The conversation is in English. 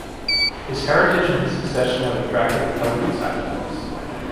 His heritage and his succession have attracted the covetous appetites.